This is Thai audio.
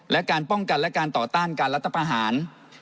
และการป้องกันและการต่อต้านการรัฐประหาร